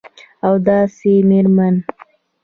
او داسي میرمن